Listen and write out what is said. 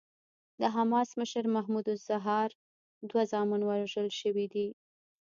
د حماس مشر محمود الزهار دوه زامن وژل شوي دي.